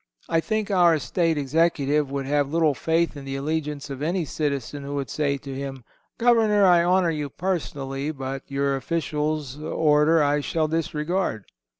I think our State Executive would have little faith in the allegiance of any citizen who would say to him: "Governor, I honor you personally, but your official's order I shall disregard."